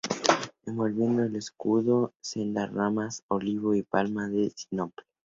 Envolviendo el escudo sendas ramas de laurel, olivo y palma de sinople.